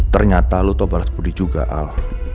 ternyata lu tobal sepudi juga al